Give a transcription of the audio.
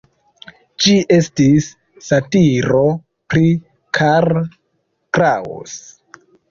Ĝi estis satiro pri Karl Kraus.